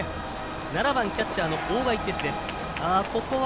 ７番、キャッチャーの大賀一徹です。